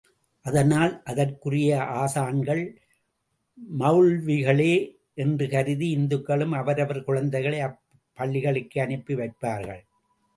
அதனால், அதற்குரிய ஆசான்கள் மெளல்விகளே என்று கருதி இந்துக்களும் அவரவர் குழந்தைகளை அப்பள்ளிகளுக்கே அனுப்பி வைப்பார்கள்.